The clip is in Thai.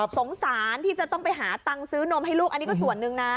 สงสารที่จะต้องไปหาตังค์ซื้อนมให้ลูกอันนี้ก็ส่วนหนึ่งนะ